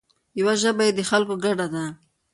یوه ژبه یې د خلکو ګډه ده.